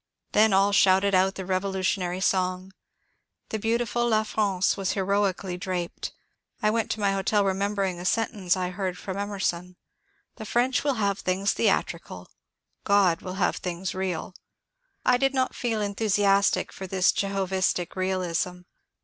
Then all shouted out the revolutionary song. The beautiful ^' La France " was heroically draped. I went to my hotel remem bering a sentence I heard from Emerson :'' The French will have things theatrical ; God will have things real." I did not feel enthusiastic for this Jehovistic realism.